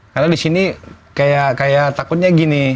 karena disini kayak takutnya gini